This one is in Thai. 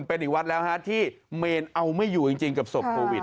เป็นอีกวัดแล้วฮะที่เมนเอาไม่อยู่จริงกับศพโควิด